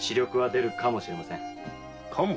でるかもしれません。